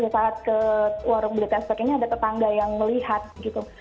saat ke warung beli testback ini ada tetangga yang melihat gitu